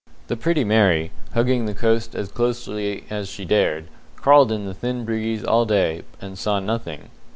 The Pretty Mary, hugging the coast as closely as she dared, crawled in the thin breeze all day, and saw nothing.